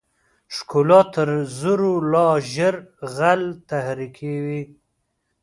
ښکلا تر زرو لا ژر غل تحریکوي.